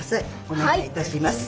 おねがいいたします。